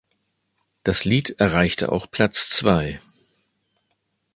Das Lied erreichte auch Platz zwei.